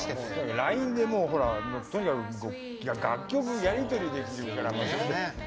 ＬＩＮＥでもうほら楽曲やり取りできるから。